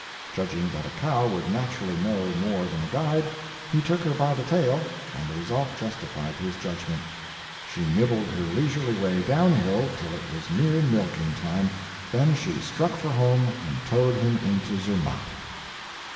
Judging that a cow would naturally know more than a guide, he took her by the tail, and the result justified his judgment. She nibbled her leisurely way downhill till it was near milking time, then she struck for home and towed him into Zermatt.